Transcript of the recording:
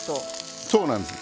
そうなんです。